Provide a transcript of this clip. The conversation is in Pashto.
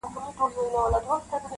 د لمر رڼا هم کمزورې ښکاري په هغه ځای,